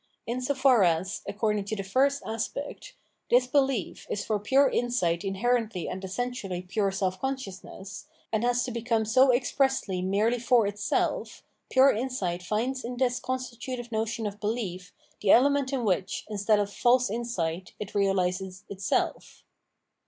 In so far as, according to the first aspect, this belief is for pure insight mherently and essentially pure self consciousness, and has to 652 Phenomenology of Mind become so expressly] merely for itself, pure insight finds in this constitutive notion of behef the element in which, instead of false insight, it reahses itself.